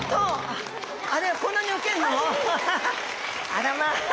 あらまあ！